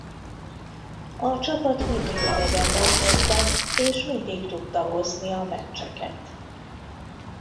A csapat mindig idegenben kezdett és mindig tudta hozni a meccseket.